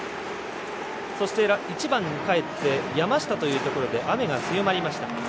そして１番帰って山下というところで雨が強まりました。